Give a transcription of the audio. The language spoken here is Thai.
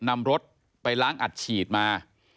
นำรถไปล้างอัดฉีดมา